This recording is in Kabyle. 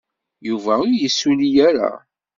Yuba ur yessulli ara.